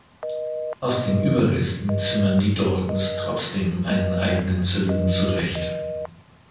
Aus den Überresten zimmern die Daltons trotzdem einen eigenen Saloon zurecht.